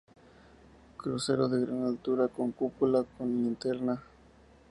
Crucero de gran altura con cúpula con linterna.